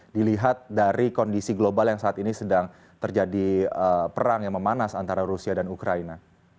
dilihat dari kondisi global yang saat ini sedang terjadi perang yang memanas antara rusia dan ukraina